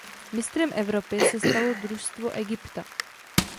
Mistrem Evropy se stalo družstvo Egypta.